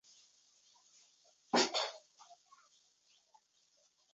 অন্যদিকে ফরাসিরা উন্নত অস্ত্রে সজ্জিত ছিল।